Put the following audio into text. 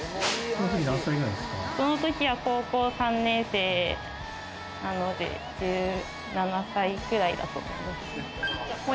その時は高校３年生なので、１７歳くらいだと思う。